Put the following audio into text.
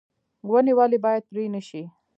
ونې ولې باید پرې نشي؟